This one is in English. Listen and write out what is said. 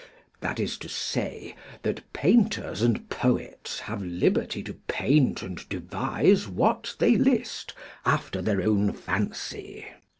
that is to say, that painters and poets have liberty to paint and devise what they list after their own fancy.